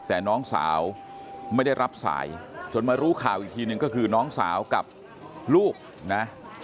แต่น้องสาวไม่ได้รับสายจนมารู้ข่าวอีกทีนึงก็คือน้องสาวกับลูกนะ